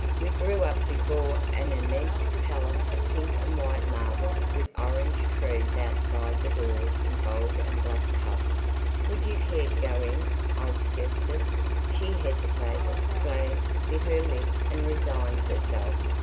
We drew up before an immense palace of pink and white marble with orange trees outside the doors in gold and black tubs. "Would you care to go in?" I suggested. She hesitated, glanced, bit her lip, and resigned herself.